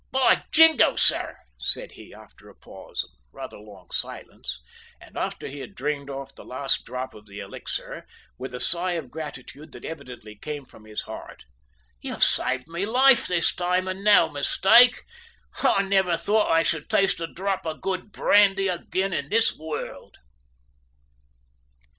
"By Jingo, sir!" said he, after a pause and rather long silence, and after he had drained off the last drop of the elixir, with a sigh of gratitude that evidently came from his heart, "you've saved my life this time, and no mistake. I never thought I should taste a drop of good brandy again in this world."